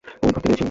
ঐ ঘর থেকে এনেছি।